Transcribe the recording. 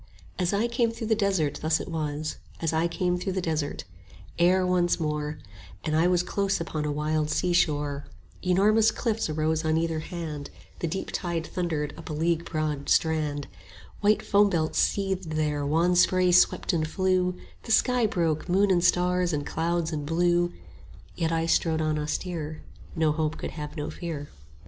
As I came through the desert thus it was, As I came through the desert: Air once more, And I was close upon a wild sea shore; 45 Enormous cliffs arose on either hand, The deep tide thundered up a league broad strand; White foambelts seethed there, wan spray swept and flew; The sky broke, moon and stars and clouds and blue: Yet I strode on austere; 50 No hope could have no fear.